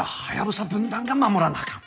分団が守らなあかん。